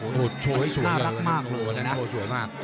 โอ้โหโชว์ให้สวยมากวันนั้นโชว์สวยมาก